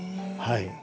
はい。